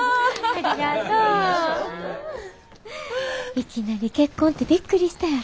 いきなり結婚ってびっくりしたやろ？